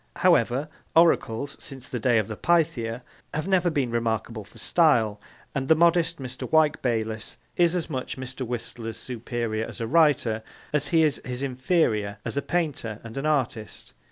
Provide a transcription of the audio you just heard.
However, oracles, since the days of the Pythia, have never been remarkable for style, and the modest Mr. Wyke Bayliss is as much Mr. Whistler's superior as a writer as he is his inferior as a painter and an artist.